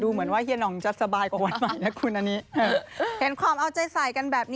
เหมือนได้เรียนภาษา